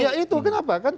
ya itu kenapa